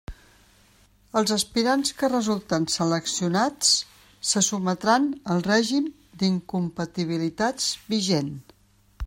Els aspirants que resulten seleccionats se sotmetran al règim d'incompatibilitats vigent.